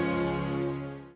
mama kangen sama mama